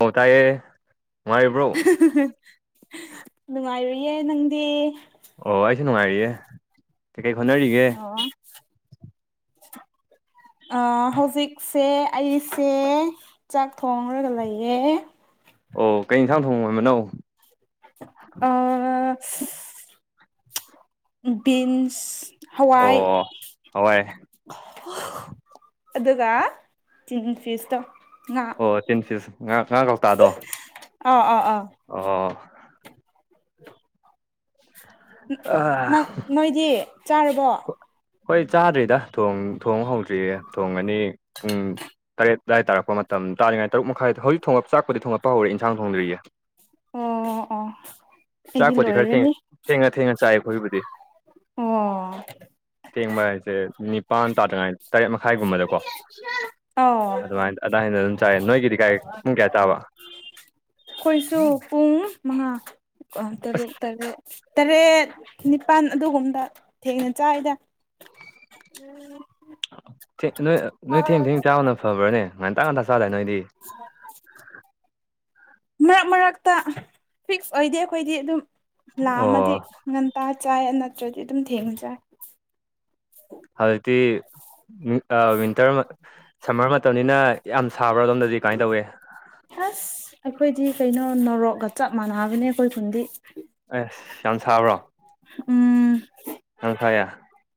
ꯑꯣ ꯇꯥꯏꯌꯦ ꯅꯨꯡꯉꯥꯏꯔꯤꯕ꯭ꯔꯣ ꯅꯨꯡꯉꯥꯏꯔꯤꯌꯦ ꯅꯪꯗꯤ ꯑꯣ ꯑꯩꯁꯨ ꯅꯨꯡꯉꯥꯏꯔꯤꯌꯦ ꯀꯩꯀꯩ ꯍꯣꯠꯅꯔꯤꯒꯦ ꯑꯣ ꯑ ꯍꯧꯖꯤꯛꯁꯦ ꯑꯩꯁꯦ ꯆꯥꯛ ꯊꯣꯡꯔꯒ ꯂꯩꯌꯦ ꯑꯣ ꯀꯩ ꯌꯦꯟꯁꯥꯡ ꯊꯣꯡ ꯑꯣꯏꯕꯅꯧ ꯑ ꯕꯤꯟꯁ ꯍꯋꯥꯏ ꯑꯣ ꯍꯋꯥꯏ ꯑꯗꯨꯒ ꯆꯤꯟ ꯐꯤꯁꯇꯣ ꯉꯥ ꯑꯣ ꯇꯤꯟꯐꯤꯁ ꯉꯥ ꯉꯥ ꯀꯧꯇꯥꯗꯣ ꯑꯥ ꯑꯥ ꯑꯥ ꯑꯣ ꯑꯥ ꯅꯪ ꯅꯣꯏꯗꯤ ꯆꯥꯔꯕꯣ ꯍꯣꯏ ꯆꯥꯗ꯭ꯔꯤꯗ ꯊꯣꯡ ꯊꯣꯡ ꯍꯧꯗ꯭ꯔꯤꯌꯦ ꯊꯣꯡꯉꯅꯤ ꯄꯨꯡ ꯇꯔꯦꯠ ꯑꯗꯥꯏ ꯇꯔꯛꯄ ꯃꯇꯝ ꯇꯥꯔꯤꯉꯩ ꯇꯔꯨꯛ ꯃꯈꯥꯏ ꯍꯧꯖꯤꯛ ꯊꯣꯡꯉꯛ ꯆꯥꯛꯄꯨꯗꯤ ꯊꯣꯉꯛꯄ ꯍꯧꯔꯦ ꯏꯟꯁꯥꯡ ꯊꯣꯡꯗ꯭ꯔꯤꯌꯦ ꯑꯣ ꯑꯣ ꯑꯩꯗꯤ ꯆꯥꯛꯄꯨꯗꯤ ꯈꯔ ꯊꯦꯡ ꯂꯣꯏꯔꯅꯤ ꯊꯦꯡꯉ ꯊꯦꯡꯉ ꯆꯥꯏ ꯑꯩꯈꯣꯏꯕꯨꯗꯤ ꯑꯣ ꯊꯦꯡꯕ ꯍꯥꯏꯁꯦ ꯅꯤꯄꯥꯟ ꯇꯥꯗ꯭ꯔꯤꯉꯥꯏ ꯇꯔꯦꯠ ꯃꯈꯥꯏꯒꯨꯝꯕꯗꯀꯣ ꯑꯣ ꯑꯗꯨꯃꯥꯏꯅ ꯑꯗꯥꯏ ꯅ ꯑꯗꯨꯝ ꯆꯥꯏ ꯅꯣꯏꯒꯤꯗꯤ ꯀꯥꯏ ꯄꯨꯡ ꯀꯌꯥ ꯆꯥꯕ ꯑꯩꯈꯣꯏꯁꯨ ꯄꯨꯡ ꯃꯉꯥ ꯇꯔꯨꯛ ꯇꯔꯦꯠ ꯇꯔꯦꯠ ꯅꯤꯄꯥꯜ ꯑꯗꯨꯒꯨꯝꯕꯗ ꯊꯦꯡꯅ ꯆꯥꯏꯗ ꯊꯦꯡ ꯅꯣꯏ ꯅꯣꯏ ꯊꯦꯡ ꯊꯦꯡ ꯆꯥꯕꯅ ꯐꯕ꯭ꯔꯥꯅꯦ ꯑ ꯉꯟꯇ ꯉꯟꯇꯥ ꯆꯥꯗꯥꯏꯅꯦ ꯅꯣꯏꯗꯤ ꯑꯣ ꯃꯔꯛ ꯃꯔꯛꯇ ꯐꯤꯛꯁ ꯑꯣꯏꯗꯦ ꯑꯩꯈꯣꯏꯗꯤ ꯑꯗꯨꯝ ꯂꯥꯝꯃꯗꯤ ꯑꯣ ꯉꯟꯇꯥ ꯆꯥꯏ ꯅꯠꯇ꯭ꯔꯗꯤ ꯑꯗꯨꯝ ꯊꯦꯡꯅ ꯆꯥꯏ ꯍꯧꯖꯤꯛꯇꯤ ꯋꯤꯟꯇꯔ ꯁꯝꯃꯔ ꯃꯇꯝꯅꯤꯅ ꯌꯥꯝ ꯁꯥꯕ꯭ꯔꯥꯗꯣꯝꯗꯗꯤ ꯀꯃꯥꯏꯅ ꯇꯧꯋꯤ ꯑꯁ ꯑꯩꯈꯣꯏꯗꯤ ꯀꯩꯅꯣ ꯅꯣꯔꯣꯛꯒ ꯆꯞ ꯃꯥꯟꯅꯒꯅꯦ ꯑꯩꯈꯣꯏ ꯈꯨꯟꯗꯤ ꯑꯁ ꯌꯥꯝ ꯁꯥꯕ꯭ꯔꯣ ꯎꯝ ꯌꯥꯝ ꯁꯥꯏꯌꯦ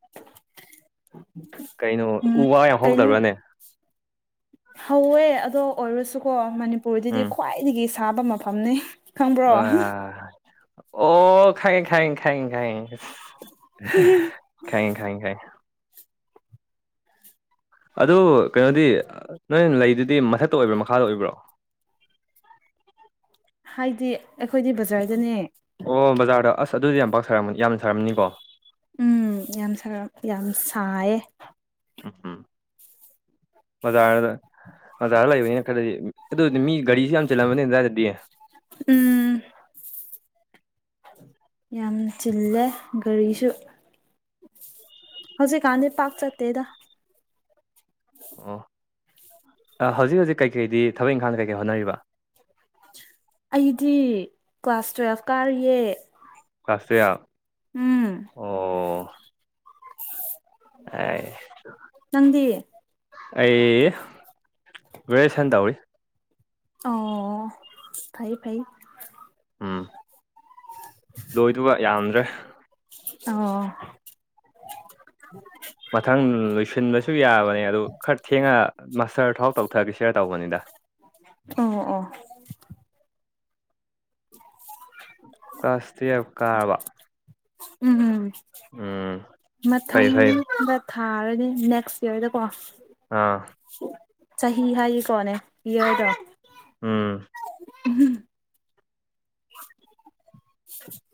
[inaudible] ꯀꯩꯅꯣ ꯎꯝ ꯎ ꯋꯥ ꯌꯥꯝ ꯀꯩꯅꯣ ꯍꯧꯗꯕ꯭ꯔꯥꯅꯦ ꯍꯧꯋꯦ ꯑꯗꯣ ꯑꯣꯏꯔꯁꯨꯀꯣ ꯃꯅꯤꯄꯨꯔꯗꯗꯤ ꯎꯝ ꯈ꯭ꯋꯥꯏꯗꯒꯤ ꯁꯥꯕ ꯃꯐꯝꯅꯤ ꯈꯪꯕ꯭ꯔꯣ ꯑ ꯑꯣ ꯈꯪꯉꯦ ꯈꯪꯉꯦ ꯈꯪꯉꯦ ꯈꯪꯉꯦ ꯏꯁ ꯈꯪꯉꯦ ꯈꯪꯉꯦ ꯈꯪꯉꯦ ꯑꯗꯨ ꯀꯩꯅꯣꯗꯤ ꯅꯣꯏ ꯂꯩꯗꯨꯗꯤ ꯃꯊꯛꯇ ꯑꯣꯏꯕ꯭ꯔꯣ ꯃꯈꯥꯗ ꯑꯣꯏꯕ꯭ꯔꯣ ꯍꯥꯏꯗꯤ ꯑꯩꯈꯣꯏꯗꯤ ꯕꯖꯥꯔꯗꯅꯦ ꯑꯣ ꯕꯖꯥꯔꯗ ꯑꯁ ꯑꯗꯨꯗꯤ ꯌꯥꯝ ꯄꯥꯛ ꯌꯥꯝꯅ ꯁꯥꯔꯝꯅꯤꯀꯣ ꯎꯝ ꯌꯥꯝ ꯌꯥꯝ ꯁꯥꯏꯌꯦ ꯎꯝ ꯎꯝ ꯃꯖꯥꯔꯗ ꯕꯖꯥꯔꯗ ꯂꯩꯕꯅꯤꯅ ꯈꯔꯗꯤ ꯑꯗꯨꯗꯤ ꯃꯤ ꯒꯥꯔꯤꯁꯨ ꯌꯥꯝ ꯆꯤꯂꯝꯃꯅꯤ ꯑꯗꯨꯋꯥꯏꯗꯗꯤ ꯎꯝ ꯌꯥꯝ ꯆꯤꯜꯂꯦ ꯒꯥꯔꯤꯁꯨ ꯍꯧꯖꯤꯛꯀꯥꯟꯗꯗꯤ ꯄꯥꯛ ꯆꯠꯇꯦꯗ ꯑꯣ ꯍꯧꯖꯤꯛ ꯍꯧꯖꯤꯛ ꯀꯩꯀꯩꯗꯤ ꯊꯕꯛ ꯏꯪꯈꯥꯡ ꯀꯩꯀꯩ ꯍꯣꯠꯅꯔꯤꯕ ꯑꯩꯗꯤ ꯀ꯭ꯂꯥꯁ ꯇꯨꯌꯦꯜꯐ ꯀꯥꯔꯤꯌꯦ ꯀ꯭ꯂꯥꯁ ꯇꯨꯌꯦꯜꯐ ꯎꯝ ꯑꯣ ꯑꯥꯏ ꯅꯪꯗꯤ ꯑꯩ ꯒ꯭ꯔꯦꯖꯨꯌꯦꯁꯟ ꯇꯧꯔꯤ ꯑꯣ ꯐꯩ ꯐꯩ ꯎꯝ ꯂꯣꯏꯗꯧꯕ ꯌꯥꯝꯗ꯭ꯔꯦ ꯑꯣ ꯃꯊꯪ ꯂꯣꯏꯁꯤꯟꯕꯁꯨ ꯌꯥꯕꯅꯦ ꯑꯗꯨ ꯈꯔ ꯊꯦꯡꯉ ꯃꯥꯁꯇ꯭ꯔ ꯐꯥꯎ ꯇꯧꯊꯈꯤꯁꯤꯔꯥ ꯇꯧꯕꯅꯤꯗ ꯑꯣ ꯑꯣ ꯀ꯭ꯂꯥꯁ ꯇꯨꯌꯦꯜꯐ ꯀꯥꯔꯕ ꯎꯝ ꯎꯝ ꯐꯩ ꯃꯊꯪ ꯐꯩ ꯗ ꯊꯥꯔꯅꯤ ꯅꯦꯛꯁ ꯏꯌꯥꯔꯗ ꯀꯣ ꯑꯥ ꯆꯍꯤ ꯍꯥꯏ ꯀꯣꯅ ꯏꯌꯔꯗꯣ ꯎꯝ [inaudible]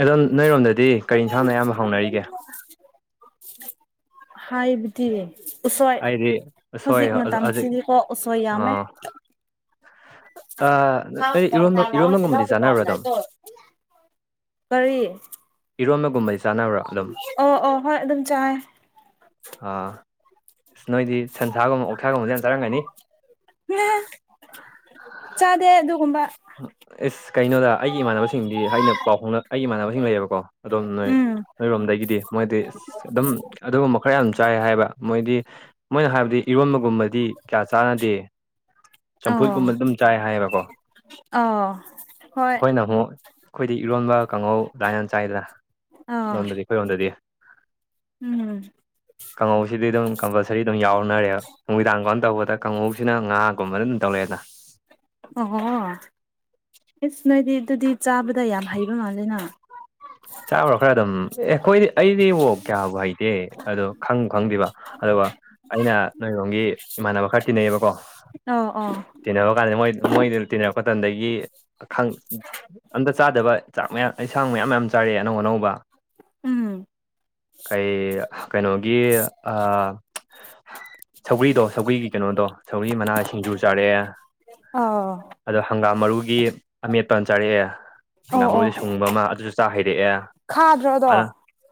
ꯑꯗꯣ ꯅꯣꯏꯔꯣꯝꯗꯗꯤ ꯀꯔꯤ ꯌꯦꯟꯁꯥꯡꯅ ꯑꯌꯥꯝꯕ ꯍꯧꯎꯅꯔꯤꯒꯦ ꯍꯥꯏꯕꯗꯤ ꯎꯁꯣꯏ ꯑꯩꯗꯤ ꯁꯣꯏ ꯍꯧꯖꯤꯛ ꯍꯧꯖꯤꯛ ꯃꯇꯝꯁꯤꯗꯤꯀꯣ ꯎꯁꯣꯏ ꯌꯥꯝꯃꯦ ꯑꯥ ꯑꯥ ꯅꯣꯏ ꯏꯔꯣꯟꯕ ꯏꯔꯣꯟꯕꯒꯨꯝꯕꯗꯤ ꯆꯥꯅꯕ꯭ꯔꯥ ꯑꯗꯨꯝ [unintelligible] ꯀꯔꯤ ꯏꯔꯣꯟꯕꯒꯨꯝꯕꯩ ꯆꯥꯅꯕ꯭ꯔꯥ ꯑꯗꯨꯝ ꯑꯣ ꯑꯣ ꯍꯣꯏ ꯑꯗꯨꯝ ꯆꯥꯏ ꯑꯥ ꯅꯣꯏꯗꯤ ꯁꯟꯁꯥꯒꯨꯝꯕ ꯑꯣꯊꯥꯒꯨꯝꯕꯁꯨ ꯌꯥꯝ ꯆꯥꯔꯝꯒꯅꯤ ꯎ ꯆꯥꯗꯦ ꯑꯗꯨꯒꯨꯝꯕ ꯍ ꯑꯦꯁ ꯀꯩꯅꯣꯗ ꯑꯩꯒꯤ ꯏꯃꯥꯟꯅꯕꯁꯤꯡꯗꯤ ꯑꯩꯅ ꯄꯥꯎ ꯐꯅꯛ ꯑꯩꯒꯤ ꯏꯃꯥꯟꯅꯕꯁꯤꯡ ꯂꯩꯌꯦꯕꯀꯣ ꯑꯗꯣꯝ ꯅꯣꯏ ꯎꯝ ꯑꯩꯔꯣꯝꯗꯒꯤꯗꯤ ꯃꯣꯏꯗꯤ ꯑꯗꯨꯝ ꯑꯗꯨꯒꯨꯝꯕ ꯈꯔ ꯌꯥꯝ ꯆꯥꯏ ꯍꯥꯏꯕ ꯃꯣꯏꯗꯤ ꯃꯣꯏꯅ ꯍꯥꯏꯕꯗꯤ ꯏꯔꯣꯟꯕꯒꯨꯝꯕꯗꯤ ꯀꯌꯥ ꯆꯥꯟꯅꯗꯦ ꯆꯝꯐꯨꯠꯀꯨꯝꯕ ꯑꯗꯨꯝ ꯆꯥꯏ ꯍꯥꯏꯌꯦꯕꯀꯣ ꯑ ꯑꯩꯈꯣꯏꯅ ꯑꯃꯨꯛ ꯑꯩꯈꯣꯏꯗꯤ ꯏꯔꯣꯟꯕ ꯀꯥꯡꯍꯧ ꯂꯥꯏꯅ ꯆꯥꯏꯗꯅ ꯑꯥ ꯂꯣꯟꯝꯗꯗꯤ ꯑꯩꯉꯣꯟꯗꯗꯤ ꯎꯝ ꯀꯥꯡꯍꯧꯁꯤꯗꯤ ꯑꯗꯨꯝ ꯀꯝꯄꯜꯁꯔꯤ ꯑꯗꯨꯝ ꯌꯥꯎꯅꯔꯦꯕ ꯅꯨꯃꯤꯗꯥꯡ ꯀꯝ ꯇꯧꯕꯗ ꯀꯥꯡꯉꯧꯁꯤꯅ ꯉꯥꯒꯨꯝꯕꯅ ꯑꯗꯨꯝ ꯇꯧꯔꯛꯦꯅ ꯑꯣ ꯍꯣ ꯏꯁꯁ ꯅꯣꯏꯗꯤ ꯑꯗꯨꯗꯤ ꯆꯥꯕꯗ ꯌꯥꯝ ꯍꯩꯕ ꯃꯥꯜꯂꯦꯅ ꯌꯥꯔꯣ ꯈꯔ ꯑꯗꯨꯝ ꯑꯦ ꯑꯩꯈꯣꯏꯗꯤ ꯑꯩꯗꯤ ꯋꯣꯛ ꯀꯌꯥꯕꯨ ꯍꯩꯇꯦ ꯑꯗꯣ ꯈꯪ ꯈꯪꯗꯦꯕ ꯑꯗꯨꯒ ꯑꯩꯅ ꯅꯣꯏꯔꯣꯡꯒꯤ ꯏꯃꯥꯟꯅꯕ ꯈꯔ ꯇꯤꯟꯅꯩꯑꯕꯀꯣ ꯑꯣ ꯑꯣ ꯇꯤꯟꯅꯕ ꯀꯥꯟꯗ ꯃꯣꯏ ꯃꯣꯏꯗꯨ ꯇꯤꯟꯅꯔꯛꯄ ꯃꯇꯝꯗꯒꯤ ꯑꯝꯇ ꯆꯥꯗꯕ ꯆꯥꯛ ꯃꯌꯥꯝ ꯏꯟꯁꯥꯡ ꯃꯌꯥꯝ ꯃ ꯆꯥꯔꯑꯦ ꯑꯅꯧ ꯑꯅꯧꯕ ꯎꯝ ꯀꯩ ꯀꯩꯅꯣꯒꯤ ꯑ ꯁꯧꯒ꯭ꯔꯤꯗꯣ ꯁꯧꯒ꯭ꯔꯤꯒꯤ ꯀꯩꯅꯣꯗꯣ ꯁꯧꯒ꯭ꯔꯤ ꯃꯅꯥ ꯁꯤꯡꯖꯨ ꯆꯥꯔꯛꯑꯦ ꯑ ꯑꯗꯣ ꯍꯪꯒꯥꯝ ꯃꯔꯨꯒꯤ ꯑꯃꯦꯠꯄ ꯑꯃ ꯆꯥꯔꯛꯑꯦ ꯍꯪꯒꯥꯝ ꯑꯣ ꯑꯣ ꯃꯔꯨꯗꯤ ꯁꯨꯡꯕ ꯑꯃ ꯑꯗꯨꯁꯨ ꯆꯥ ꯍꯩꯔꯛꯑꯦ ꯈꯥꯗ꯭ꯔꯣ ꯑꯗꯣ ꯑꯗꯅ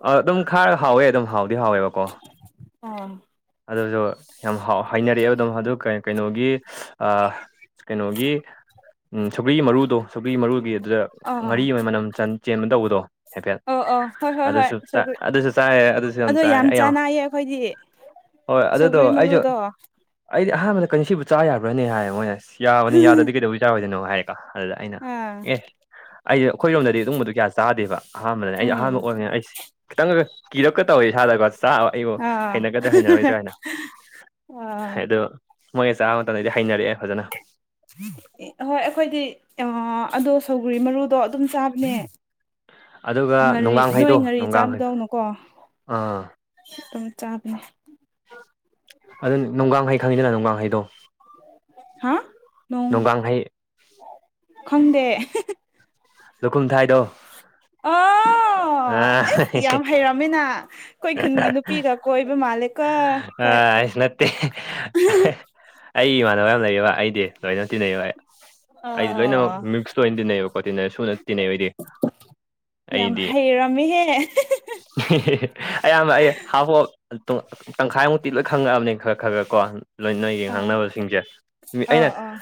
ꯑꯗꯨꯝ ꯈꯥꯔ ꯍꯥꯎꯋꯦ ꯑꯗꯨꯝ ꯍꯥꯎꯋꯦ ꯕꯤꯍꯥꯎꯋꯦꯕꯀꯣ ꯑꯣ ꯑꯗꯨꯁꯨ ꯌꯥꯝ ꯍꯥꯏꯅꯔꯛꯑꯦꯕ ꯑꯗꯨꯝ ꯑꯗꯨ ꯀꯩꯅꯣꯒꯤ ꯑ ꯀꯩꯅꯣꯒꯤ ꯎꯝ ꯁꯧꯀ꯭ꯔꯤꯒꯤ ꯃꯔꯨꯗꯣ ꯁꯀ꯭ꯔꯤꯒꯤ ꯃꯔꯨꯒꯤ ꯑꯗꯨꯗ ꯉꯥꯔꯤ ꯑꯥ ꯑꯃꯒꯤ ꯃꯅꯝ ꯆꯦꯟꯕ ꯇꯧꯕꯗꯣ ꯍꯥꯏꯦꯐꯦꯠ ꯑꯣ ꯑꯣ ꯍꯣꯏ ꯍꯣꯏ ꯍꯣꯏ ꯑꯗꯨꯁꯨ ꯁꯧꯒ꯭ꯔꯤ ꯑꯗꯨꯁꯨ ꯆꯥꯏ ꯑꯗꯨꯁꯨ ꯌꯥꯝ ꯑꯗꯣ ꯆꯥꯏꯦ ꯑ ꯆꯥꯟꯅꯩꯌꯦ ꯑꯩꯈꯣꯏꯗꯤ ꯍꯣꯏ ꯑꯗꯨꯗꯣ ꯁꯧꯒ꯭ꯔꯤ ꯑꯩꯁꯨ ꯃꯔꯨꯗꯣ ꯑꯩꯗꯤ ꯑꯍꯥꯟꯕꯗ ꯀꯩꯅ ꯁꯤꯕꯨ ꯆꯥ ꯌꯥꯕ꯭ꯔꯥꯅꯤ ꯍꯥꯏꯔꯦ ꯃꯣꯏꯅ ꯌꯥꯕꯅꯤ ꯌꯥꯗ꯭ꯔꯗꯤ ꯀꯩꯗꯧꯕ ꯆꯥꯔꯣꯏꯅꯣ ꯍꯥꯏꯔꯦ ꯑꯗꯨꯗ ꯑꯩꯅ ꯑꯥ ꯑꯦ ꯑꯩꯁ ꯑꯩꯈꯣꯏꯔꯣꯝꯗꯗꯤ ꯑꯗꯨꯕ ꯒ꯭ꯌꯥ ꯆꯥꯗꯦꯕ ꯑꯍꯥꯟꯕꯗꯅꯦ ꯑꯩ ꯑꯍꯥꯟꯕ ꯎꯝ ꯑꯣꯏꯕꯅꯤꯅ ꯑꯁ ꯈꯤꯇꯪꯒ ꯀꯤꯔꯛꯀ ꯇꯧꯋꯦ ꯏꯁꯥꯗꯒ ꯆꯥ ꯑꯩꯕꯨ ꯑꯥ ꯍꯩꯅꯒꯗ꯭ꯔꯥ ꯍꯩꯅꯔꯣꯏꯗ꯭ꯔꯥ ꯍꯥꯏꯅ ꯑꯥ ꯃꯣꯏꯁꯦ ꯆꯥꯕ ꯃꯇꯝꯗꯗꯤ ꯍꯩꯅꯔꯛꯑꯦ ꯐꯖꯅ ꯍꯣꯏ ꯑꯩꯈꯣꯏꯗꯤ ꯑꯗꯣ ꯁꯧꯒꯔꯤ ꯃꯔꯨꯗꯣ ꯑꯗꯨꯝ ꯆꯥꯕꯅꯦ ꯑꯗꯨꯒ ꯉꯥꯔꯤ ꯅꯣꯏ ꯅꯨꯡꯒꯥꯡꯍꯩꯗꯣ ꯉꯥꯔꯤ ꯅꯨꯡꯒꯥꯡꯍꯩ ꯆꯥꯕꯗꯧꯅꯨꯀꯣ ꯑꯥ ꯝ ꯆꯥꯕꯅꯦ ꯑꯗꯨ ꯅꯨꯡꯗꯥꯡꯈꯩ ꯈꯪꯉꯤꯗꯅ ꯅꯅꯨꯡꯗꯥꯡꯈꯩꯗꯣ ꯍꯥ ꯅꯣꯡ ꯅꯨꯡꯒꯥꯡꯍꯩ ꯈꯪꯗꯦ ꯂꯨꯈꯨꯝꯊꯥꯏꯗꯣ ꯑꯣ ꯑꯥ ꯑꯦꯁ ꯌꯥꯝ ꯍꯩꯔꯝꯃꯤꯅ ꯑꯩꯈꯣꯏ ꯈꯨꯟꯒꯤ ꯅꯨꯄꯤꯒ ꯀꯣꯏꯕ ꯃꯥꯜꯂꯦꯀꯣꯏ ꯑꯁ ꯑꯩꯒꯤ ꯏꯃꯥꯟꯅꯕ ꯌꯥꯝ ꯂꯩꯕ ꯑꯩꯗꯤ ꯂꯣꯏꯅ ꯇꯤꯟꯅꯩꯌꯦꯕ ꯑꯩꯗꯤ ꯂꯣꯏꯅꯃꯛ ꯑꯣ ꯃꯤꯁ ꯇꯣꯏꯅ ꯇꯤꯟꯅꯩꯑꯕꯀꯣ ꯇꯤꯟꯅꯩ ꯁꯨꯅ ꯇꯤꯟꯅꯩ ꯑꯣꯏꯗꯤ ꯌꯥꯝ ꯑꯩꯗꯤ ꯍꯩꯔꯝꯃꯤꯍꯦ [unintelligible] ꯑꯌꯥꯝꯕ ꯑꯩ ꯍꯥꯐ ꯇꯪꯈꯥꯏꯃꯨꯛꯇꯤ ꯂꯣꯏ ꯈꯪꯉꯛꯑꯕꯅꯤ ꯈꯔ ꯈꯔ ꯈꯔ ꯀꯣ ꯂꯣꯏꯅ ꯑꯥ ꯌꯦꯡꯍꯥꯡꯅꯕꯁꯤꯡꯁꯦ ꯑꯩꯅ ꯑꯥ ꯑꯥ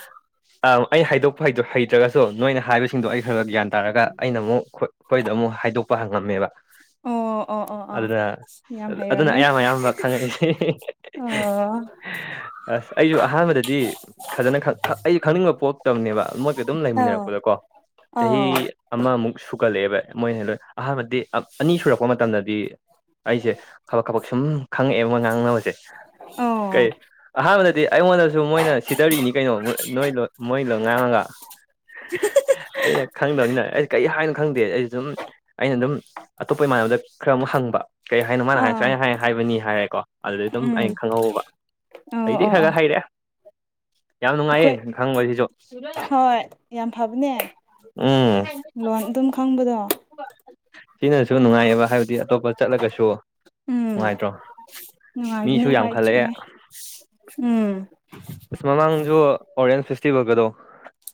ꯑ ꯑꯩꯩꯅꯩꯗꯣꯛꯄ ꯍꯩꯇ꯭ꯔꯒꯁꯨ ꯅꯣꯏꯅ ꯍꯥꯏꯕ ꯁꯤꯡꯗꯣ ꯑꯩ ꯈꯔ ꯈ ꯒ꯭ꯌꯥꯟ ꯇꯥꯔꯒ ꯑꯩꯅ ꯑꯃꯨꯛ ꯑꯩꯈꯣꯏꯗ ꯑꯃꯨꯛ ꯍꯥꯏꯗꯣꯛꯄ ꯍꯪꯉꯝꯃꯦꯕ [inaudible] ꯑꯣ ꯑꯣ ꯑꯣ ꯑꯗꯨꯅ ꯌꯥꯝ ꯑꯗꯨꯅ ꯍꯩꯔꯝꯃꯦ ꯑꯌꯥꯝ ꯑꯌꯥꯝꯕ ꯈꯪꯉꯛꯏꯅꯤ ꯑꯣ ꯑꯁ ꯑꯩꯁꯨ ꯑꯍꯥꯟꯕꯗꯗꯤ ꯐꯖꯅ ꯑꯩꯁ ꯈꯪꯅꯤꯡꯕ ꯄꯣꯛꯇꯕꯅꯦꯕ ꯃꯣꯏꯒ ꯑꯗꯨꯝ ꯑꯧ ꯂꯩꯃꯤꯟꯅꯔꯛꯄꯗꯀꯣ ꯑꯧ ꯆꯍꯤ ꯑꯃꯃꯨꯛ ꯁꯨꯀꯠꯂꯛꯑꯦꯕ ꯃꯣꯏꯅꯗ ꯑꯍꯥꯟꯕꯗꯤ ꯑꯅꯤ ꯁꯨꯔꯛꯄ ꯃꯇꯝꯗꯗꯤ ꯑꯩꯁꯦ ꯈꯕꯛ ꯈꯕꯛ ꯁꯨꯝ ꯈꯪꯉꯛꯑꯦꯕ ꯉꯥꯡꯅꯕꯁꯦ ꯑꯣ ꯀꯩ ꯑꯍꯥꯟꯕꯗꯗꯤ ꯑꯩꯉꯣꯟꯗꯁꯨ ꯃꯣꯏꯅ ꯁꯤꯗꯔꯤꯅꯤ ꯀꯩꯅꯣ ꯅꯣꯏ ꯃꯣꯏ ꯂꯣꯟ ꯉꯥꯡꯉꯒ ꯑꯩꯅ ꯈꯪꯗꯕꯅꯤꯅ ꯑꯩ ꯀꯔꯤ ꯍꯥꯏꯅꯣ ꯈꯪꯗꯦ ꯑꯩꯁꯨ ꯁꯨꯝ ꯑꯩꯅ ꯑꯗꯨꯝ ꯑꯇꯣꯞꯄ ꯏꯃꯥꯟꯅꯕꯗ ꯈꯔ ꯑꯃꯨꯛ ꯍꯪꯕ ꯀꯩ ꯍꯥꯏꯅꯣ ꯃꯥꯅ ꯍꯥꯏ ꯑꯥ ꯁꯨꯃꯥꯏꯅ ꯍꯥꯏ ꯍꯥꯏꯕꯅꯤ ꯍꯥꯏꯔꯦꯀꯣ ꯑꯗꯨꯗꯤ ꯑꯗꯨꯝ ꯎꯝ ꯑꯩꯅ ꯈꯪꯍꯕ ꯑꯣ ꯑꯩꯗꯤ ꯑꯣ ꯈꯔ ꯑꯣ ꯈ ꯍꯥꯏ ꯀꯔꯦ ꯌꯥꯝ ꯅꯨꯡꯉꯥꯏꯌꯦ ꯑꯩꯈꯣꯏ ꯈꯪꯕꯁꯤꯁꯨ ꯍꯣꯏ ꯌꯥꯝ ꯐꯕꯅꯦ ꯎꯝ ꯂꯣꯟ ꯑꯗꯨꯝ ꯈꯪꯕꯗꯣ ꯁꯤꯅꯁꯨ ꯅꯨꯡꯉꯥꯏꯑꯕ ꯍꯥꯏꯕꯗꯤ ꯑꯇꯣꯞꯄ ꯆꯠꯂꯒꯁꯨ ꯎꯝ ꯅꯨꯡꯉꯥꯏꯇ꯭ꯔꯣ ꯃꯤꯁꯨ ꯅꯨꯡꯉꯥꯏꯕꯅꯦ ꯍꯣꯏ ꯌꯥꯝꯈꯠꯂꯛꯑꯦ ꯆꯨꯝꯃꯦ ꯎꯝ ꯏꯁ ꯃꯃꯥꯡꯁꯨ ꯑꯣꯔꯦꯟꯁ ꯐꯁꯇꯤ ꯐꯀꯗꯣ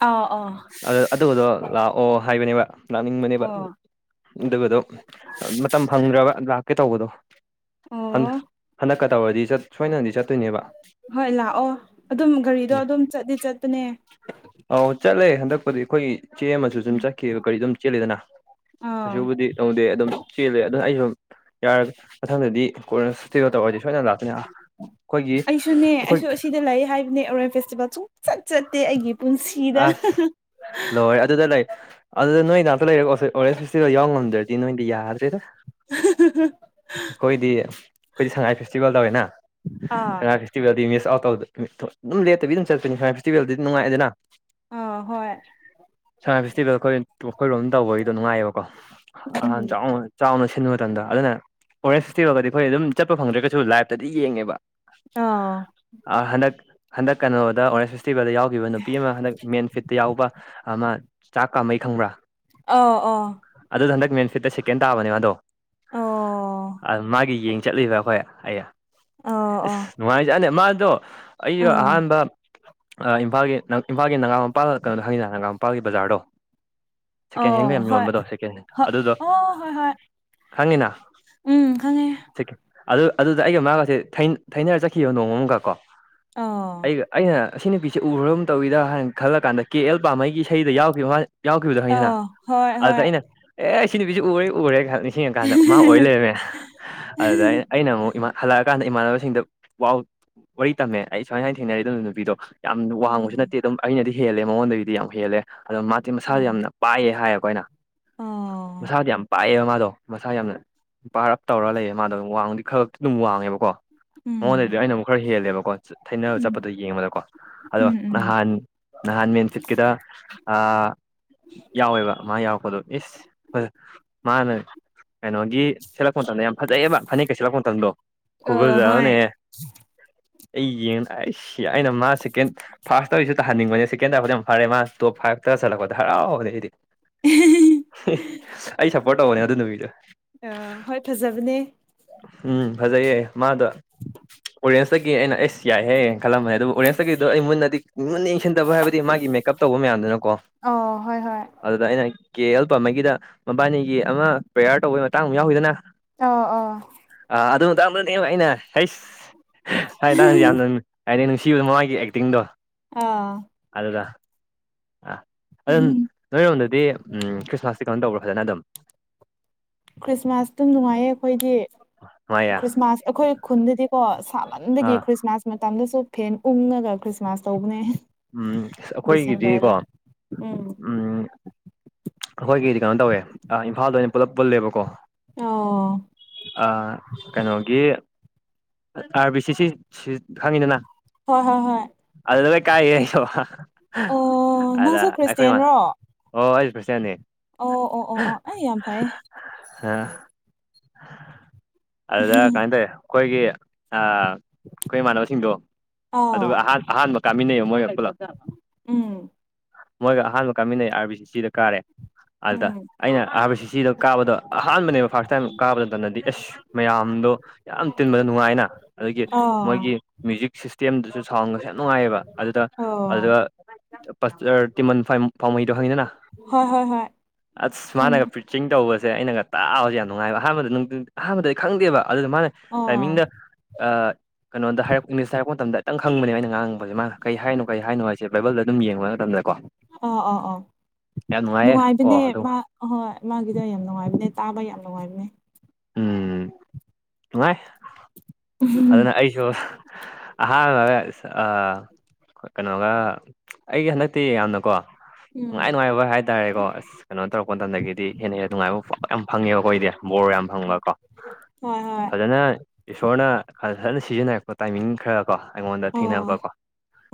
ꯑꯥ ꯑꯥ ꯑ ꯑꯗꯨꯗꯣ ꯂꯥꯛꯑꯣ ꯍꯥꯏꯕꯅꯦꯕ ꯂꯥꯛꯅꯤꯡꯕꯅꯦꯕ ꯑꯣ ꯑꯗꯨꯒꯗꯣ ꯃꯇꯝ ꯐꯪꯗ꯭ꯔꯕ ꯂꯥꯛꯀꯦ ꯇꯧꯕꯗꯣ ꯍꯟ ꯑꯣ ꯍꯟꯗꯛꯀ ꯇꯧꯕꯗꯤ ꯁꯣꯏꯅꯅꯗꯤ ꯆꯠꯇꯣꯏꯅꯦꯕ ꯍꯣꯏ ꯂꯥꯛꯑꯣ ꯑꯗꯨꯝ ꯒꯥꯔꯤꯗꯣ ꯑꯗꯨꯝ ꯆꯠꯗꯤ ꯆꯠꯇꯅꯦ ꯑꯧ ꯆꯠꯂꯦ ꯍꯟꯗꯛꯄꯨꯗꯤ ꯑꯩꯈꯣꯏ ꯏꯆꯦ ꯑꯃꯁꯨ ꯑꯗꯨꯝ ꯆꯠꯈꯤꯑꯕ ꯀꯒꯥꯔꯤ ꯑꯗꯨꯝ ꯆꯦꯂꯦꯗꯅ ꯀꯩꯁꯨ ꯑꯥ ꯗꯤ ꯇꯧꯗꯦ ꯑꯗꯨꯝ ꯆꯦꯜꯂꯦ ꯑꯗꯨꯅ ꯑꯩꯁꯨ ꯌꯥꯔꯒ ꯃꯊꯪꯗꯗꯤ ꯀꯣꯟꯅ ꯇꯤꯔꯣꯇ ꯑꯣꯏꯔꯗꯤ ꯁꯣꯏꯗꯅ ꯂꯥꯛꯇꯅ ꯑꯩꯈꯣꯏꯒꯤ ꯑꯩꯈꯣꯏ ꯗ ꯂꯩ ꯍꯥꯏ ꯔꯣꯏ ꯐꯦꯁꯇꯤꯚꯦꯜ ꯁꯨꯡ ꯆꯠ ꯆꯠꯇꯦ ꯑꯩꯒꯤ ꯄꯨꯟꯁꯤꯗ ꯑꯁ ꯂꯣꯏ ꯑꯗꯨꯗ ꯂꯩ ꯑꯗꯨꯗ ꯅꯣꯏ ꯉꯥꯛꯇ ꯂꯩꯔ ꯑꯣꯔꯦꯖ ꯐꯦꯁꯇꯤꯚꯦꯜ ꯌꯥꯎ ꯉꯝꯗ꯭ꯔꯗꯤ ꯅꯣꯏꯗꯤ ꯌꯥꯗ꯭ꯔꯦꯗ [inaudible] ꯑꯩꯈꯣꯏꯗꯤ ꯑꯩꯈꯣꯏꯗꯤ ꯁꯉꯥꯏ ꯐꯦꯁꯇꯤꯚꯦꯜ ꯑꯥ ꯇꯧꯋꯦꯅꯉꯥꯏ ꯐꯦꯁꯇꯤꯚꯦꯜꯗꯤ ꯃꯤꯁ ꯑꯥꯎ ꯑꯗꯨꯝ ꯂꯦꯠꯇꯕꯤ ꯑꯗꯨꯝ ꯆꯠꯄꯅꯤ ꯁꯥꯏ ꯐꯦꯁꯇꯤꯚꯦꯜꯗꯗꯤ ꯅꯨꯡꯉꯥꯏꯗꯅ ꯑꯥ ꯍꯣꯏ ꯁꯉꯥꯏ ꯐꯦꯁꯇꯤꯚꯦꯜ ꯑꯩꯈꯣꯏ ꯑꯩꯈꯣꯏꯔꯣꯝ ꯇꯧꯕꯒꯤꯗꯣ ꯉꯥꯏꯌꯦꯕꯀꯣ ꯑ ꯎꯝ ꯆꯥꯎ ꯆꯥꯎꯅ ꯁꯤꯟꯕ ꯃꯇꯝꯗ ꯑꯗꯨꯅ ꯑꯣꯔꯦꯟꯖ ꯐꯦꯁꯇꯤꯚꯦꯜꯗꯗꯤ ꯐꯣꯏ ꯑꯗꯨꯝ ꯆꯠꯄ ꯐꯪꯗ꯭ꯔꯒꯁꯨ ꯂꯥꯏꯞꯇꯗꯤ ꯌꯦꯡꯉꯦꯕ ꯑꯥ ꯍꯟꯗꯛ ꯍꯟꯗꯛ ꯀꯩꯅꯣꯗ ꯑꯣꯔꯦꯟꯖ ꯐꯦꯁꯇꯤꯚꯦꯜꯗ ꯌꯥꯎꯈꯤꯕ ꯅꯨꯄꯤ ꯑꯃ ꯍꯟꯗꯛ ꯃꯦꯟ ꯐꯤꯠꯇ ꯌꯥꯎꯕ ꯑꯃ ꯆꯥꯛ ꯀꯥꯃꯩ ꯈꯪꯕ꯭ꯔꯥ ꯑ ꯑꯣ ꯑꯗꯨꯗ ꯍꯟꯛ ꯃꯦꯟ ꯐ꯭ꯤꯠꯇ ꯁꯦꯀꯦꯟ ꯇꯥꯕꯅꯦ ꯑꯗꯣ ꯑꯣ ꯃꯥꯒꯤ ꯌꯦꯡ ꯆꯠꯂꯤꯕ ꯑꯩꯈꯣꯏ ꯑꯩ ꯑꯣ ꯑꯁ ꯑꯣ ꯅꯨꯡꯉꯥꯏꯖꯅꯦ ꯃꯥꯗꯣ ꯑꯩꯗꯣ ꯑꯥ ꯑꯍꯥꯟꯕ ꯏꯝꯐꯥꯜ ꯏꯝꯐꯥꯜꯒꯤ ꯅꯒꯥ ꯃꯄꯥꯜ ꯀꯩꯅꯣ ꯍꯡꯅ ꯅꯅꯥꯒꯥ ꯃꯄꯥꯜ ꯕꯖꯥꯔꯗꯣ ꯁꯦꯀꯦꯟ ꯍꯦꯟꯒ ꯑꯣ ꯌꯥꯝ ꯍꯣꯏ ꯌꯣꯟꯕꯗꯣ ꯁꯦꯀꯦꯟ ꯍꯦꯟ ꯍꯣꯏ ꯑꯗꯨꯗꯣ ꯑꯣ ꯍꯣꯏ ꯍꯣꯏ ꯈꯪꯉꯤꯅ ꯎꯝ ꯈꯪꯉꯦ ꯆꯀꯦ ꯑꯗꯨ ꯑꯗꯨꯗ ꯑꯩꯒ ꯃꯥꯒꯁꯦ ꯊꯩꯅꯔ ꯆꯠꯈꯤꯕ ꯅꯣꯡꯃ ꯑꯃꯒ ꯀꯣ ꯑꯥ ꯑꯩꯒ ꯑꯩꯅ ꯑꯁꯤ ꯅꯨꯄꯤꯁꯦ ꯎꯈ꯭ꯔ ꯑꯃ ꯇꯧꯋꯗ ꯍꯥꯏꯅ ꯈꯜꯂ ꯀꯥꯟꯗ ꯀꯦ ꯑꯦꯜ ꯄꯥꯝꯍꯩꯒꯤ ꯏꯁꯩꯗ ꯌꯥꯎꯈꯤꯕ ꯃꯥ ꯌꯥꯎꯈꯤꯕꯗꯣ ꯍꯗꯅ ꯑꯣ ꯍꯣꯏ ꯑꯗꯨꯗ ꯍꯣꯏ ꯑꯩꯅ ꯑꯦ ꯑꯩ ꯁꯤ ꯅꯨꯄꯤꯁꯤ ꯎꯔꯦ ꯎꯔꯦ ꯅꯤꯡꯁꯤꯡꯉꯀꯥꯟꯗ ꯃꯥ ꯑꯣꯏ ꯂꯩꯔꯝꯃꯦ ꯑꯗꯨꯗꯩꯅ ꯑꯩꯅ ꯑꯃꯨꯛ ꯍꯜꯂꯛꯑꯀꯥꯟꯗ ꯏꯃꯥꯟꯅꯕꯁꯤꯡꯗ ꯋꯥ ꯋꯥꯔꯤ ꯇꯝꯃꯦ ꯑꯩ ꯁꯨꯃꯥꯏ ꯁꯨꯃꯥꯏꯅ ꯊꯦꯡꯅꯔꯤ ꯑꯗꯨꯅ ꯅꯨꯄꯤꯗꯣ ꯌꯥꯝ ꯋꯥꯡꯕꯁꯨ ꯑꯣ ꯅꯠꯇꯦ ꯑꯗꯨꯝ ꯑꯩꯅꯗꯤ ꯍꯦꯜꯂꯦ ꯃꯉꯣꯟꯗꯒꯤꯗꯒꯤꯗꯤ ꯌꯥꯝ ꯍꯦꯜꯂꯦ ꯑꯗꯣ ꯃꯥꯗꯤꯦ ꯃꯁꯥꯁꯗ ꯑꯣ ꯌꯥꯝꯅ ꯄꯥꯛꯑ ꯍꯥꯏꯌꯦ ꯑꯩꯣꯅ ꯑꯣ ꯃꯁꯥꯗꯣ ꯌꯥꯝ ꯄꯥꯛꯑꯦꯕ ꯃꯥꯥꯗꯣ ꯃꯁꯥ ꯌꯥꯝꯅ ꯄꯥꯔ ꯑꯞ ꯇꯧꯔꯒ ꯂꯩꯌꯦ ꯃꯥꯗꯣꯝ ꯋꯥꯡꯗꯤ ꯈꯔ ꯈꯛꯇꯤ ꯑꯗꯨꯝ ꯋꯥꯡꯉꯦꯕꯀꯣ ꯃꯉꯣꯟꯗꯗꯤ ꯎꯝ ꯑꯩꯅ ꯑꯃꯨꯛ ꯈꯔ ꯍꯦꯜꯂꯦꯕꯀꯣ ꯊꯩꯅꯔ ꯎꯝ ꯆꯠꯄꯗꯣ ꯌꯦꯡꯕꯗꯀꯣ ꯑꯗꯣ ꯎꯝ ꯎꯝ ꯅꯍꯥꯟ ꯅꯍꯥꯟ ꯃꯦꯟꯐꯤꯠꯀꯤꯗ ꯌꯥꯎꯋꯦꯕ ꯃꯥ ꯌꯥꯎꯔꯛꯄꯗꯣ ꯏꯁ ꯃꯥꯅ ꯀꯩꯅꯣꯒꯤ ꯁꯦꯠꯂꯛꯄ ꯃꯇꯝꯗ ꯌꯥꯝ ꯐꯖꯩꯕ ꯐꯅꯦꯛ ꯀꯩ ꯁꯦꯠꯂꯛꯄ ꯃꯇꯝꯗꯣ ꯑꯣ ꯍꯣꯏ ꯈꯨꯔꯖꯕꯅꯦꯍ ꯑꯩ ꯌꯦꯡ ꯑꯩ ꯁꯤ ꯑꯩꯅ ꯃꯥ ꯁꯦꯀꯦꯟ ꯐꯥꯔꯁ ꯇꯧꯔꯤꯁꯤ ꯇꯥꯍꯟꯅꯤꯡꯕꯅꯦ ꯁꯦꯀꯦꯟ ꯇꯔꯐꯗ ꯌꯥꯝ ꯐꯔꯦ ꯃꯥ ꯇꯣꯞ ꯐꯥꯏꯞꯇ ꯆꯠꯂꯛꯄꯗ ꯍꯔꯥꯎꯕꯅꯦ ꯁꯤꯗꯤ ꯑꯩ ꯁꯄꯣꯔꯠ ꯇꯧꯕꯅꯦ ꯑꯗꯨ ꯅꯨꯕꯤꯗ ꯑ ꯍꯣꯏ ꯐꯖꯕꯅꯦ ꯎꯝ ꯐꯖꯩꯌꯦ ꯃꯥꯗ ꯑꯣꯔꯦꯟꯁꯇꯒꯤ ꯑꯩꯅ ꯑꯩꯁ ꯌꯥꯏꯍꯦꯌꯦ ꯈꯜꯂꯝꯃꯦ ꯑꯗꯨꯕꯨ ꯑꯣꯔꯦꯟꯁꯇꯒꯤꯗꯣ ꯑꯩ ꯃꯨꯟꯅꯗꯤ ꯟꯅ ꯌꯦꯡꯁꯤꯟꯗꯕ ꯍꯥꯏꯕꯗꯤ ꯃꯥꯒꯤ ꯃꯦꯀꯞ ꯇꯧꯕ ꯃꯌꯥꯝꯗꯨꯅꯀꯣ ꯑꯥ ꯍꯣꯏ ꯍꯣꯏ ꯑꯗꯨꯗ ꯑꯩꯅ ꯀꯦ ꯑꯦꯜ ꯄꯥꯃꯩꯒꯤꯗ ꯃꯕꯥꯅꯤꯒꯤ ꯑꯃ ꯄ꯭ꯔꯦꯌꯥꯔ ꯇꯧꯕꯩ ꯃꯇꯥꯡ ꯑꯃ ꯌꯥꯎꯈꯤꯗꯅ [inaudible] ꯑꯥ ꯑꯗꯨ ꯃꯇꯥꯡꯗꯗꯤ ꯑꯩꯅ ꯍꯁ ꯍꯥꯏ ꯃꯇꯥꯡꯁꯨ ꯌꯥꯝꯅꯃꯤ ꯑꯩꯅ ꯅꯨꯡꯁꯤꯕꯗ ꯃꯃꯒꯤ ꯑꯦꯛꯇꯤꯡꯗꯣ ꯑꯥ ꯑꯗꯨꯒ ꯑꯥ ꯑꯗꯨꯝ ꯅꯣꯏꯔꯣꯝꯗꯗꯤ ꯎꯝ ꯈ꯭ꯔꯤꯁꯃꯥꯁꯀꯤꯤ ꯀꯩꯅꯣ ꯇꯧꯕ꯭ꯔꯣ ꯐꯖꯅ ꯑꯗꯨꯝ ꯈ꯭ꯔꯤꯁꯃꯥꯁ ꯑꯗꯨꯝ ꯅꯨꯡꯉꯥꯏꯌꯦ ꯑꯩꯈꯣꯏꯗꯤ ꯃꯥꯏ ꯈ꯭ꯔꯤꯁꯃꯥꯁ ꯑꯩꯈꯣꯏ ꯈꯨꯟꯗꯗꯤꯀꯣ ꯁꯥꯃꯟꯗꯒꯤ ꯑꯥ ꯈ꯭ꯔꯤꯁꯃꯥꯁ ꯃꯇꯝꯗꯁꯨ ꯐꯦꯟ ꯎꯪꯉꯒ ꯈ꯭ꯔꯤꯁꯃꯥꯁ ꯇꯧꯕꯅꯦ ꯎꯝ ꯑꯩꯈꯣꯏꯒꯤꯗꯤꯀꯣ ꯗꯤꯁꯦꯝꯕꯔꯗ ꯎꯝ ꯎꯝ ꯑꯩꯈꯣꯏꯒꯤꯗꯤ ꯀꯩꯅꯣ ꯇꯧꯋꯦ ꯏꯝꯐꯥꯜꯗ ꯑꯣꯏꯅ ꯄꯨꯂꯞ ꯄꯨꯜꯂꯦꯕꯀꯣ ꯑꯣ ꯀꯩꯅꯣꯒꯤ ꯑꯥꯔ ꯕꯤ ꯁꯤ ꯁꯤ ꯈꯪꯉꯤꯗꯅ ꯍꯣꯏ ꯍꯣꯏ ꯍꯣꯏ ꯑꯗꯨꯗ ꯂꯩ ꯀꯥꯏꯌꯦ ꯑꯩꯁꯨ ꯑꯣ ꯑꯗ ꯅꯪꯁꯨ ꯑꯩꯈꯣꯏ ꯏ ꯃꯥ ꯈ꯭ꯔꯤꯁꯇꯦꯟꯔꯣ ꯑꯣ ꯑꯩ ꯆꯅꯦ ꯑꯣ ꯑꯣ ꯑꯣ ꯑꯣ ꯑꯩ ꯌꯥꯝ ꯐꯩꯌꯦ ꯑ ꯑꯗꯨꯗ ꯀꯥꯏꯇꯦ ꯑꯩꯈꯣꯏꯒꯤ ꯑꯩꯈꯣꯏ ꯏꯃꯥꯟꯅꯕꯁꯤꯡꯗꯣ ꯑꯥꯎ ꯑꯗꯨꯒ ꯑꯍꯥꯟ ꯑꯍꯥꯟꯕ ꯀꯥꯃꯤꯟꯅꯩꯣ ꯃꯣꯏꯒ ꯄꯨꯂꯞ ꯎꯝ ꯃꯣꯏꯒ ꯑꯍꯥꯟꯕ ꯀꯥꯃꯤꯟꯅꯩ ꯑꯥꯔ ꯕꯤ ꯁꯤ ꯁꯤꯗ ꯀꯥꯔꯦ ꯑꯗꯨꯗ ꯎꯝ ꯑꯩꯅ ꯍꯥꯏꯕꯁꯤ ꯁꯤꯗꯣ ꯀꯥꯕꯗꯣ ꯑꯍꯥꯟꯕꯅꯦꯕ ꯐꯥꯔꯁ ꯇꯥꯏꯝ ꯀꯥꯕ ꯃꯇꯝꯗꯗꯤ ꯑꯦꯁ ꯃꯌꯥꯝꯗꯣ ꯌꯥꯝ ꯇꯤꯟꯕꯗ ꯅꯨꯡꯉꯥꯏꯅ ꯑꯗꯒꯤ ꯑꯥ ꯃꯣꯏꯒꯤ ꯃ꯭ꯌꯨꯖꯤꯛ ꯁꯤꯁꯇꯦꯝꯗꯨꯁꯨ ꯁꯥꯎꯟꯒꯁꯦ ꯌꯥꯝ ꯅꯨꯡꯉꯥꯏꯌꯦꯕ ꯑꯗꯨꯗ ꯑꯣ ꯑꯗꯨ ꯇꯤꯃꯟ ꯐꯥꯎꯃꯩꯗꯣ ꯍꯪꯉꯤꯗꯅ ꯍꯣꯏ ꯍꯣꯏ ꯍꯣꯏ ꯑ ꯈꯪꯉꯦ ꯁꯃꯥꯟꯒꯄꯤ ꯆꯤꯡ ꯇꯧꯕꯁꯦ ꯑꯩꯅꯒ ꯇꯥꯎꯕꯁꯦ ꯌꯥꯝ ꯅꯨꯡꯉꯥꯏꯕ ꯑꯍꯥꯟꯕꯗ ꯑꯍꯥꯟꯕꯗ ꯑꯩ ꯈꯪꯗꯦꯕ ꯑꯗꯨꯗ ꯃꯥꯅ ꯑꯣ ꯇꯥꯏꯃꯤꯗ ꯑ ꯀꯩꯅꯣꯗ ꯍꯥꯏꯔꯛ ꯏꯪꯂꯤꯁꯇ ꯍꯥꯏꯔꯛꯄ ꯃꯇꯝꯗꯈꯤꯇꯪꯕꯅꯦ ꯑꯩꯅ ꯉꯥꯡꯉꯕꯁꯦ ꯃꯥꯅ ꯀꯔꯤ ꯍꯥꯏꯅꯣ ꯀꯔꯤ ꯍꯥꯏꯅꯣ ꯍꯥꯏꯁꯦ ꯕꯥꯕꯜꯗ ꯑꯗꯨꯝ ꯌꯦꯡꯕ ꯆꯝꯦꯀꯣ ꯑꯥ ꯑꯥ ꯑꯥ ꯀꯣ ꯅꯨꯡꯉꯥꯏꯕꯅꯦ ꯑꯗꯨ ꯃꯥ ꯑꯍꯣꯏ ꯃꯥꯒꯤꯗ ꯌꯥꯝ ꯅꯨꯡꯉꯥꯏꯕꯅꯦ ꯇꯥꯕ ꯌꯥꯝ ꯅꯨꯡꯉꯥꯏꯕꯅꯦ ꯎꯝ ꯅꯨꯡꯉꯥꯏ ꯑꯗꯨꯅ ꯎꯝ ꯑꯩꯁꯨ ꯑꯍꯥꯡꯉꯦ ꯑ ꯀꯩꯅꯣꯒ ꯑꯩꯒꯤ ꯍꯟꯗꯛꯇꯤ ꯌꯥꯝꯅꯀꯣ ꯅꯨꯡꯉꯥꯏ ꯅꯨꯡꯉꯥꯏꯕ ꯍꯥꯏꯇꯥꯔꯦꯀꯣ ꯑꯁ ꯀꯩꯅꯣ ꯇꯧꯔꯛꯄ ꯃꯇꯝꯗꯒꯤꯗꯤ ꯍꯦꯟꯅ ꯍꯦꯟꯅ ꯅꯨꯡꯉꯥꯏꯕꯥꯎ ꯌꯥꯝ ꯐꯪꯉꯦꯕ ꯑꯩꯈꯣꯏꯗꯤ ꯕꯣꯔ ꯌꯥꯝ ꯀꯣ ꯍꯣꯏ ꯍꯣꯏ ꯐꯖꯅ ꯏꯁꯣꯔꯅ ꯐꯖꯅ ꯁꯤꯖꯤꯟꯅꯔꯛꯄ ꯇꯥꯏꯃꯤꯡ ꯈꯔ ꯀꯣ ꯑꯩꯉꯣꯟꯗ ꯊꯦꯡꯅꯕ ꯑꯣ ꯀꯣ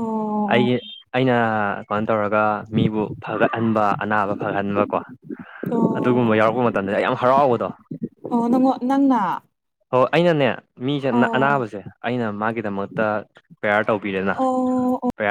ꯑꯣ ꯑꯩꯒꯤ ꯑꯩꯅ ꯀꯃꯣ ꯇꯧꯔꯒ ꯃꯤꯕꯨ ꯐꯒꯠꯍꯟꯕ ꯑꯅꯥꯕ ꯐꯒꯠꯍꯟꯕꯀꯣ ꯑꯗꯨꯒꯨꯝꯕ ꯑꯣ ꯌꯥꯎꯔꯛꯄ ꯃꯇꯝꯗ ꯌꯥꯝ ꯍꯔꯥꯎꯕꯗꯣ ꯑꯣ ꯅꯪꯣ ꯅꯪꯅ ꯍꯣꯏ ꯑꯩꯅꯅꯦ ꯃꯤꯁꯦ ꯑꯣ ꯑꯅꯥꯕꯁꯦ ꯑꯩꯅ ꯃꯥꯒꯤꯗꯃꯛꯇ ꯄ꯭ꯔꯦꯌꯥꯔ ꯇꯧꯕꯤꯔꯦꯅ ꯑꯣ ꯄ꯭ꯔꯦꯌꯥꯔ